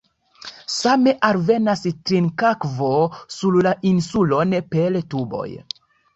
Same alvenas trinkakvo sur la insulon per tuboj.